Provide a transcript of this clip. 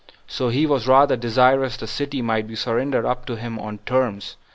] So he was rather desirous the city might be surrendered up to him on terms.